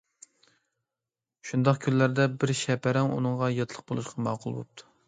شۇنداق كۈنلەردە بىر شەپەرەڭ ئۇنىڭغا ياتلىق بولۇشقا ماقۇل بوپتۇ.